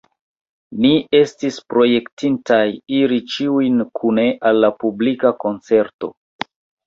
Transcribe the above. Ni estis projektintaj iri ĉiuj kune al la publika koncerto.